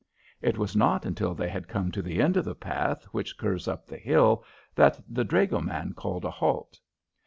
It was not until they had come to the end of the path which curves up the hill that the dragoman called a halt.